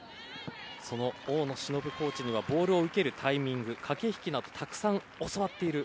その大野忍コーチにはボールを受けるタイミング駆け引きなどたくさん教わっている。